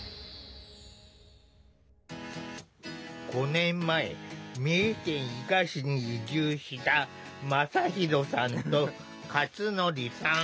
５年前三重県伊賀市に移住したまさひろさんとかつのりさん。